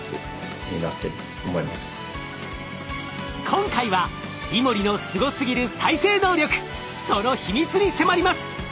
今回はイモリのすごすぎる再生能力その秘密に迫ります。